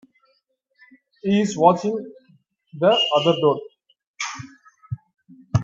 He's watching the other door.